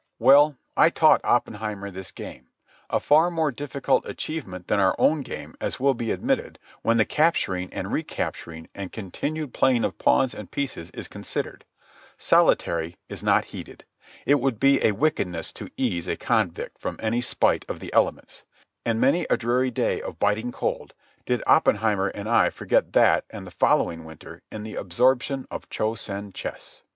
Well, I taught Oppenheimer this game—a far more difficult achievement than our own game, as will be admitted, when the capturing and recapturing and continued playing of pawns and pieces is considered. Solitary is not heated. It would be a wickedness to ease a convict from any spite of the elements. And many a dreary day of biting cold did Oppenheimer and I forget that and the following winter in the absorption of Cho Sen chess.